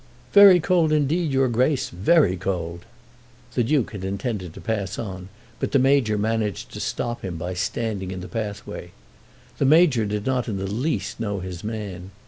"Very cold indeed, your Grace, very cold." The Duke had intended to pass on, but the Major managed to stop him by standing in the pathway. The Major did not in the least know his man.